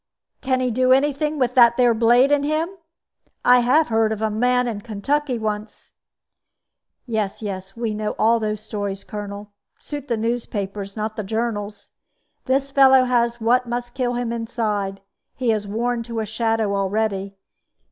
"Can he do any thing with that there blade in him? I have heard of a man in Kentucky once " "Yes, yes; we know all those stories, Colonel suit the newspapers, not the journals. This fellow has what must kill him inside; he is worn to a shadow already.